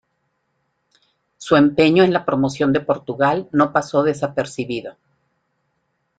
Su empeño en la promoción de Portugal no pasó desapercibido.